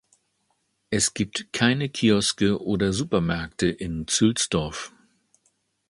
Es gibt keine Kioske oder Supermärkte in Zühlsdorf.